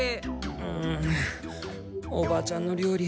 うんおばちゃんの料理